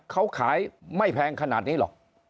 เขาขายไม่แพงขนาดนี้หรอก